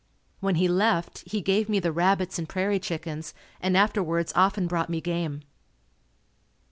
When he left, he gave me the rabbits and prairie chickens and afterwards often brought me game.